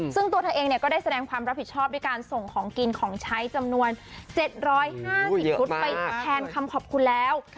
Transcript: ซึ่งตัวเธอเองก็ได้แสดงความรับผิดชอบด้วยการส่งของกินของใช้จำนวน๗๕๐ชุดไปแทนคำขอบคุณแล้ว